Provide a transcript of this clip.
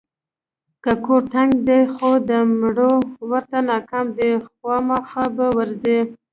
که ګور تنګ دی خو د مړو ورته ناکام دی، خوامخا به ورځي.